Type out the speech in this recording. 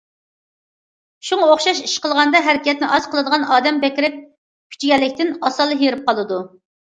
شۇڭا ئوخشاش ئىش قىلغاندا ھەرىكەتنى ئاز قىلىدىغان ئادەم بەكرەك كۈچىگەنلىكتىن، ئاسانلا ھېرىپ قالىدۇ.